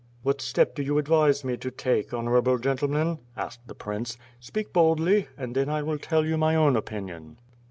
"What step do you advise me to take, honorable gentle men?" asked the prince. "Speak boldly, and then I will tell you my own opinion." 288 ^ITB FIRE AND .